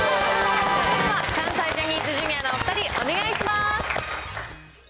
関西ジャニーズＪｒ．のお２人、お願いします。